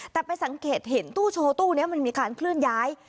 แต่ไปสังเกตเห็นตู้โชว์ตู้นี้มันมีการเคลื่อนย้าย